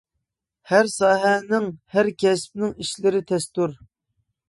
ھەر ساھەنىڭ، ھەر كەسىپنىڭ ئىشلىرى تەستۇر.